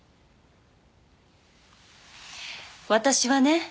私はね